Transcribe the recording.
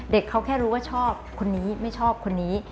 เขาแค่รู้ว่าชอบคนนี้ไม่ชอบคนนี้